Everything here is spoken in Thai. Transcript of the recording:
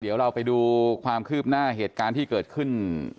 เดี๋ยวเราไปดูความคืบหน้าเหตุการณ์ที่เกิดขึ้น